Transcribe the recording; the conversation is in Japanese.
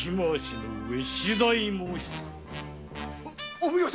お奉行様